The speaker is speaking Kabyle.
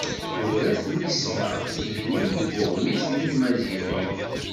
Tura-t Nisma Tigrin deg uɣmis n yimaziɣen.